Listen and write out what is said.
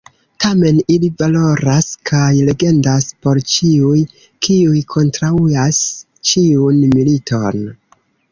Tamen, ili valoras kaj legendas por ĉiuj, kiuj kontraŭas ĉiun militon.